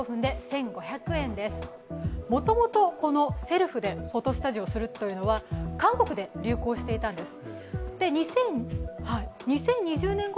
元々セルフでフォトスタジオをするというのは韓国で流行していたんです。